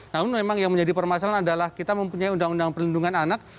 namun memang yang menjadi permasalahan adalah kita mempunyai undang undang perlindungan anak